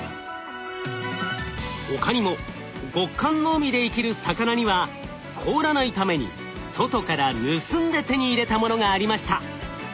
他にも極寒の海で生きる魚には凍らないために外から盗んで手に入れたものがありました。